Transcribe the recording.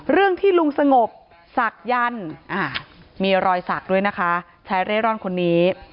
เรื่องที่ลุงสงบศักดิ์ยันต์มีรอยศักดิ์ด้วยนะคะชายเร่ร่อนคนนี้